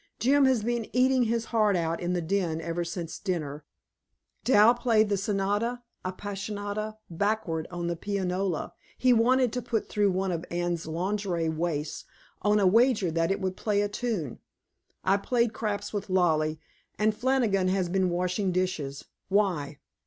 "Jim has been eating his heart out in the den every since dinner; Dal played the Sonata Appasionata backward on the pianola he wanted to put through one of Anne's lingerie waists, on a wager that it would play a tune; I played craps with Lollie, and Flannigan has been washing dishes. Why?"